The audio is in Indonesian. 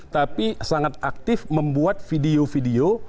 tapi sangat aktif membuat video video